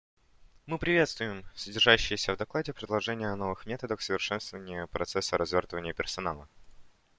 Мы приветствуем содержащиеся в докладе предложения о новых методах совершенствования процесса развертывания персонала.